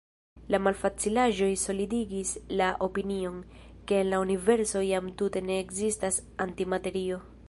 La malfacilaĵoj solidigis la opinion, ke en la universo jam tute ne ekzistas antimaterio.